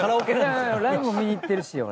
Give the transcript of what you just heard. いやいやライブも見に行ってるし俺。